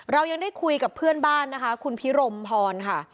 เรายังได้คุยกับเพื่อนบ้านนะคะคุณพิรมพรค่ะ